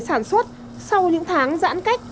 sản xuất sau những tháng giãn cách